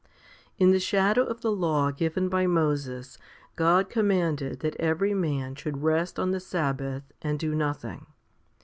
6 1. IN the shadow of the law given by Moses God com manded that every man should rest on the sabbath and do nothing.